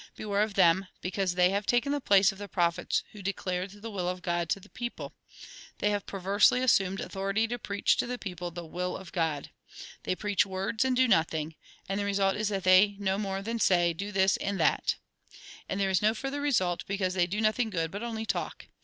Beware of them, because they have taken the place of the prophets who declared the will of God to the people. They have perversely assumed authority to preach to the people the will 124 THE GOSPEL IN BRIEF of God. They preach words, and do nothing. And the result is that they no more than say :' Do this and that.' And there is no further result, because they do nothing good, but only talk.